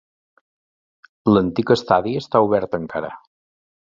L"antic estadi està obert encara.